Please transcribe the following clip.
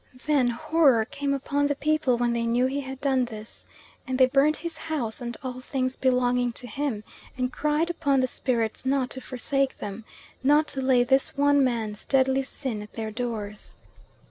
Then horror came upon the people when they knew he had done this, and they burnt his house and all things belonging to him, and cried upon the spirits not to forsake them, not to lay this one man's deadly sin at their doors.